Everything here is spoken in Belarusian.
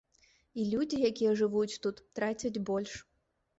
І людзі, якія жывуць тут, трацяць больш.